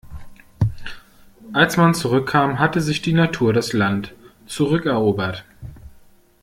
Als man zurückkam, hatte sich die Natur das Land zurückerobert.